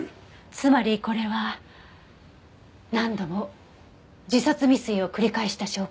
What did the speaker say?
つまりこれは何度も自殺未遂を繰り返した証拠。